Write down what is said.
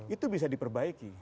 itu bisa diperbaiki